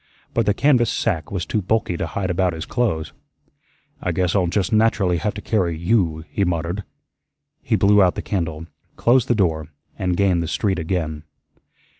But the canvas sack was too bulky to hide about his clothes. "I guess I'll just naturally have to carry YOU," he muttered. He blew out the candle, closed the door, and gained the street again.